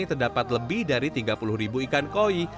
terdapat lebih dari tiga puluh ribu ikan koi